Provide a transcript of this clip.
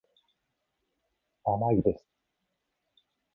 甘いです。